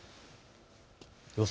予想